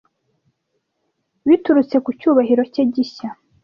biturutse ku cyubahiro cye gishya